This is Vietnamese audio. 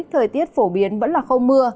thời tiết phổ biến vẫn là không mưa